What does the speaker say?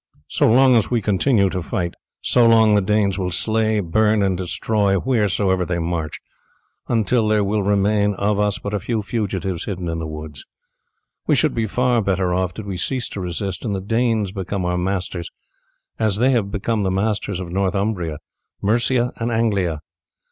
So long as we continue to fight, so long the Danes will slay, burn, and destroy wheresoever they march, until there will remain of us but a few fugitives hidden in the woods. We should be far better off did we cease to resist, and the Danes become our masters, as they have become the masters of Northumbria, Mercia, and Anglia.